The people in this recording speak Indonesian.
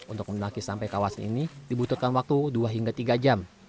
untuk mendaki sampai kawasan ini dibutuhkan waktu dua hingga tiga jam